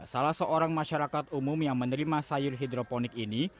salah seorang masyarakat umum yang menerima sayur hidroponik ini